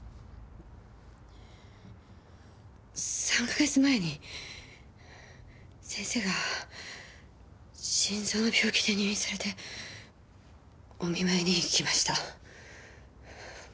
３か月前に先生が心臓の病気で入院されてお見舞いに行きました。